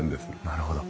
なるほど。